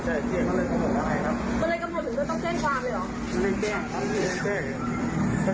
ใช่สำหรับของข้าสำหรับข้าเที่ยวไงใช่สำหรับข้าเที่ยวมันเลยกำหนดแล้วครับ